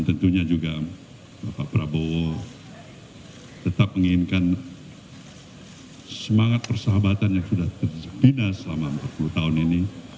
tentunya juga bapak prabowo tetap menginginkan semangat persahabatan yang sudah terjepina selama empat puluh tahun ini